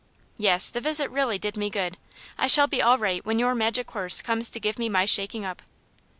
"Yes; the visit really did me good. I shall be all right when your magic horse comes to give me my shaking up."